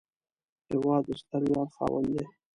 هېواد د ستر ویاړ خاوند دی